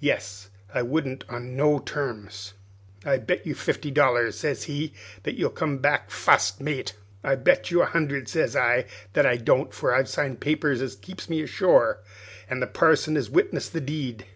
Yes, I wouldn't on no terms. "'I'll bet you fifty dollars,' sez he, 'that you'll come back fust mate.' "'I'll bet you a hundred,' sez I, 'that I don't, for I've signed papers as keeps me ashore, an' the parson has witnessed the deed.'